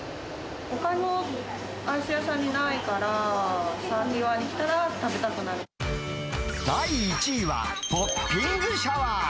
ほかのアイス屋さんにないから、第１位は、ポッピングシャワー。